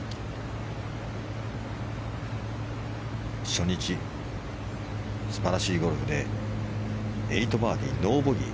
初日、素晴らしいゴルフで８バーディー、ノーボギー。